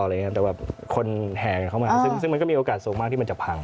แล้วคนแหางเข้ามาซึ่งมันก็มีโอกาสสวงมากที่จะพัง